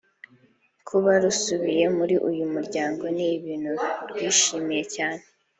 Kuba rusubiye muri uyu muryango ni ibintu rwishimiye cyane